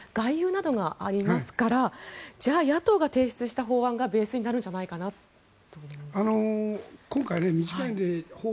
その間にも外遊などがありますからじゃあ、野党が提出した法案がベースになるんじゃないかなと思うんですが。